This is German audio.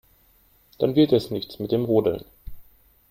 Dann wird es nichts mit dem Rodeln.